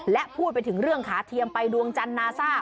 และพูดไปถึงเรื่องขาเทียมไปดวงจันทร์นาซ่า